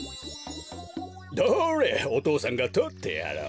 どれお父さんがとってやろう。